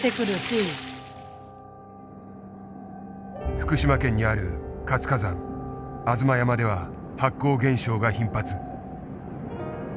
福島県にある活火山吾妻山では発光現象が頻発。